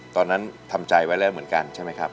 ทำใจไว้แล้วเหมือนกันใช่ไหมครับ